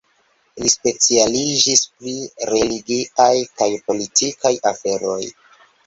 Li specialiĝis pri religiaj kaj politikaj aferoj.